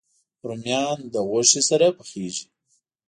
رومیان له غوښې سره پخېږي